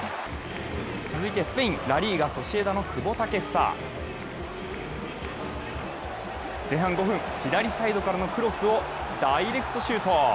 続いてスペイン、ラ・リーガソシエダの久保建英。前半５分、左サイドからのクロスをダイレクトシュート。